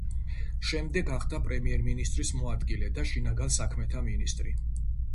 შემდეგ გახდა პრემიერ-მინისტრის მოადგილე და შინაგან საქმეთა მინისტრი.